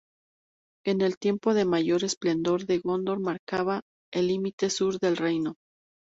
En el tiempo de mayor esplendor de Gondor marcaba el límite sur del reino.